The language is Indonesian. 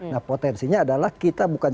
nah potensinya adalah kita bukan